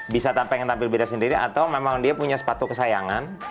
bisa tak pengen tampil beda sendiri atau memang dia punya sepatu kesayangan